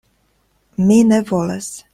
Mi ne volas.